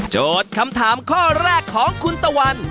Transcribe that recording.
คำถามข้อแรกของคุณตะวัน